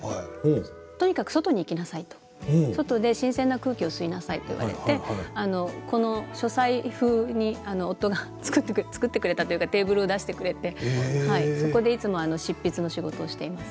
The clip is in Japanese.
とにかく外に行きなさいとそこで新鮮な空気を吸いなさいと言われてこの書斎風に夫が作ってくれたというかテーブルを出してくれてここでいつも執筆の仕事をしています。